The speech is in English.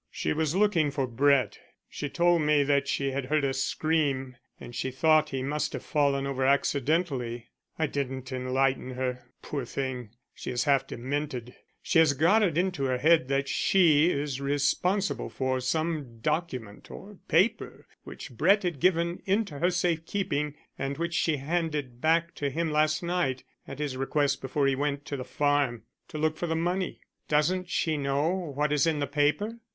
"She was looking for Brett; she told me that she had heard a scream and she thought he must have fallen over accidentally. I didn't enlighten her. Poor thing, she is half demented. She has got it into her head that she is responsible for some document or paper which Brett had given into her safe keeping, and which she handed back to him last night at his request before he went to the farm to look for the money." "Doesn't she know what is in the paper?"